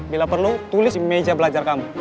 bila perlu tulis di meja belajar kamu